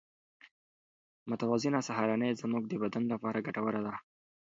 متوازنه سهارنۍ زموږ د بدن لپاره ګټوره ده.